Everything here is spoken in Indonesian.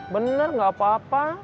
bener gak apa apa